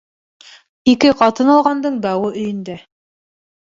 Ике ҡатын алғандың дауы өйөндә